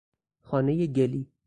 خانهی گلی